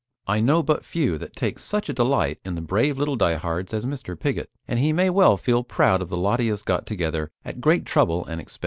I know but few that take such a delight in the brave little 'die hards' as Mr. Pigott, and he may well feel proud of the lot he has got together at great trouble and expense."